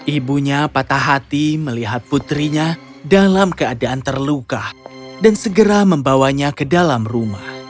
ibunya patah hati melihat putrinya dalam keadaan terluka dan segera membawanya ke dalam rumah